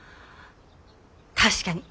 確かに。